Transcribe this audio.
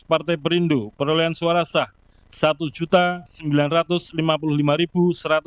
partai perindo perolehan suara sah satu sembilan ratus lima puluh lima satu ratus lima puluh empat suara